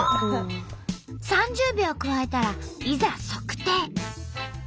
３０秒くわえたらいざ測定！